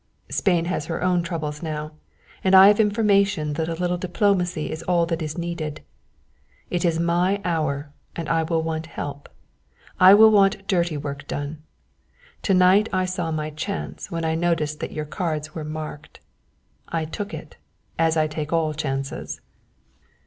"Spain has her own troubles now, and I have information that a little diplomacy is all that is needed. It is my hour and I will want help I will want dirty work done. To night I saw my chance when I noticed that your cards were marked. I took it, as I take all chances."